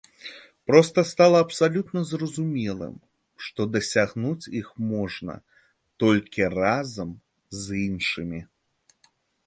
Проста стала абсалютна зразумелым, што дасягнуць іх можна толькі разам з іншымі.